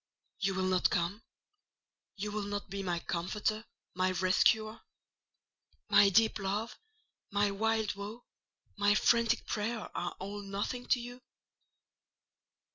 "You will not come? You will not be my comforter, my rescuer? My deep love, my wild woe, my frantic prayer, are all nothing to you?"